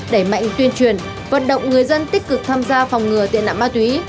đẩy mạnh tuyên truyền vận động người dân tích cực tham gia phòng ngừa tiện nạp ma túy